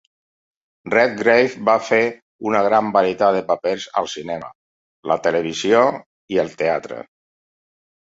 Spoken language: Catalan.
Redgrave va fer una gran varietat de papers al cinema, la televisió i el teatre.